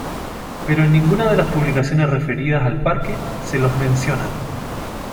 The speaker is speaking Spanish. Pero en ninguna de las publicaciones referidas al Parque, se los mencionan.